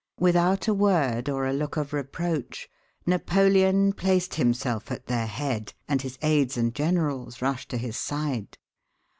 Without a word or a look of reproach, Napoleon placed himself at their head, and his aids and generals rushed to his side.